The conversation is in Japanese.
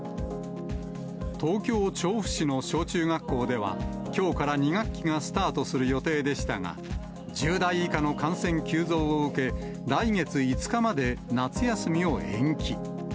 東京・調布市の小中学校では、きょうから２学期がスタートする予定でしたが、１０代以下の感染急増を受け、来月５日まで夏休みを延期。